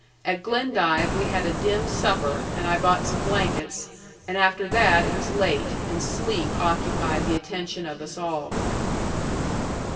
At Glendive we had a dim supper, and I bought some blankets; and after that it was late, and sleep occupied the attention of us all.